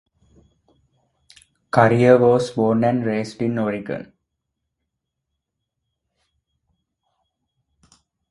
Currier was born and raised in Oregon.